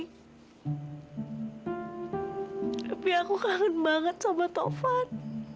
tapi aku kangen banget sama tovan